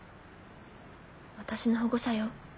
私の保護者よ。